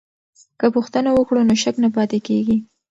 که پوښتنه وکړو نو شک نه پاتې کیږي.